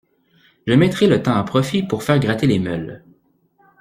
Je mettrai le temps à profit pour faire gratter les meules.